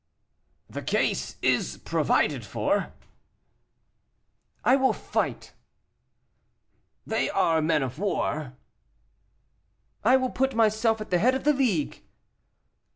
"The case is provided for." "I will fight." "They are men of war." "I will put myself at the head of the League."